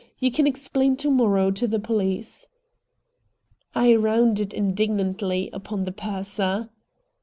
You can explain to morrow to the police." I rounded indignantly upon the purser.